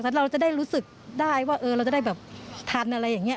แล้วเราจะได้รู้สึกได้ว่าเราจะได้แบบทันอะไรอย่างนี้